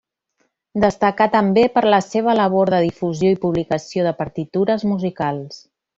Destacà també per la seva labor de difusió i publicació de partitures musicals.